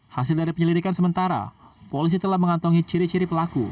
hasil dari penyelidikan sementara polisi telah mengantongi ciri ciri pelaku